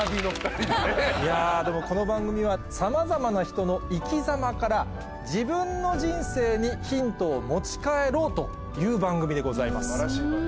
いやでもこの番組はさまざまな人のいきざまから自分の人生にヒントを持ち帰ろうという番組でございます。